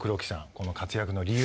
この活躍の理由。